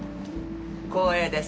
光栄です。